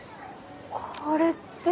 これって。